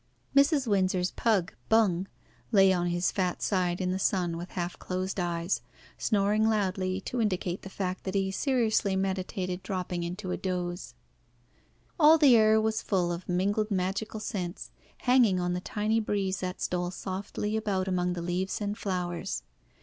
Mrs. Windsor's pug, "Bung," lay on his fat side in the sun with half closed eyes, snoring loudly to indicate the fact that he seriously meditated dropping into a doze. All the air was full of mingled magical scents, hanging on the tiny breeze that stole softly about among the leaves and flowers.